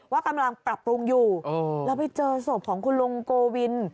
ว่ากำลังปรับปรุงอยู่แล้วไปเจอศพของคุณลุงโกวิน